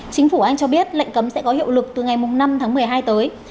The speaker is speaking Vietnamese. chính phủ anh cho biết lệnh cấm sẽ có hiệu lực từ ngày năm tháng một mươi hai tới